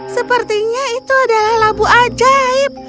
sepertinya itu adalah labu ajaib